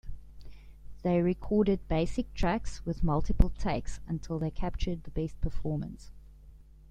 They recorded basic tracks with multiple takes until they captured the best performance.